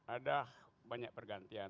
ada banyak pergantungan